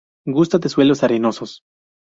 Gusta de suelos arenosos.